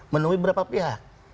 menemui beberapa pihak